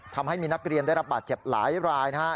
ทำให้มีนักเรียนได้รับบาดเจ็บหลายรายนะครับ